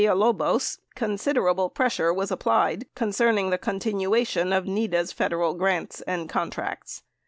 According to Villalobos, considerable pressure was applied concern ing the continuation of NEDA's Federal grants and contracts.